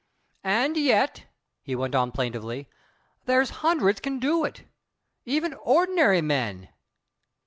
"And yet," he went on plaintively, "there's hundreds can do it even ord'nary men."